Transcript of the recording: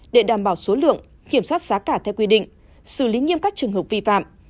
để đảm bảo số lượng kiểm soát giá cả theo quy định xử lý nghiêm các trường hợp vi phạm